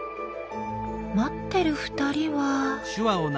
待ってる２人は。